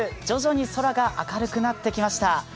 徐々に空が明るくなってきました。